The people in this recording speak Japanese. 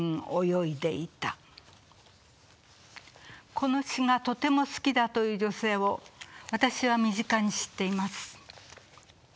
この詩がとても好きだという女性を私は身近に知っています。